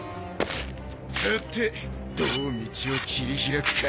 さてどう道を切り開くか。